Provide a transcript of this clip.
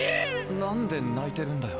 なんで泣いてるんだよ。